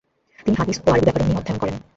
তিনি হাদিস ও আরবি ব্যাকরণ নিয়ে অধ্যয়ন করেন।